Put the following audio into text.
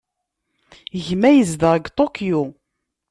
Gma yezdeɣ deg Tokyo.